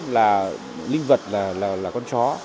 linh vật là con chó